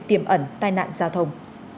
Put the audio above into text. tiềm ẩn tai nạn giao thông